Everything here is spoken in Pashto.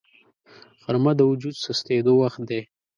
غرمه د وجود سستېدو وخت دی